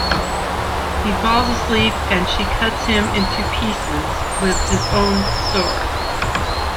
He falls asleep and she cuts him into pieces with his own sword.